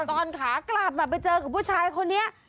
ตอนขากลับมาไปเจอกับผู้ชายคนนี้